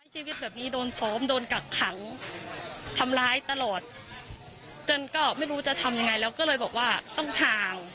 ชีวิตแบบนี้โดนซ้อมโดนกักขังทำร้ายตลอดจนก็ไม่รู้จะทำยังไงแล้วก็เลยบอกว่าต้องห่าง